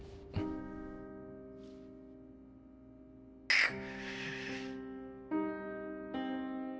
くっ！